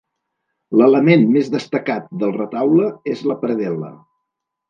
L'element més destacat del retaule és la predel·la.